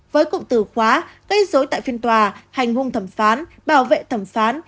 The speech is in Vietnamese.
với cụm từ khóa gây dối tại phiên tòa hành hung thẩm phán bảo vệ thẩm phán